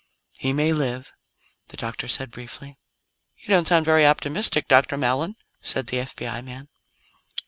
"He may live," the doctor said briefly. "You don't sound very optimistic, Dr. Mallon," said the FBI man.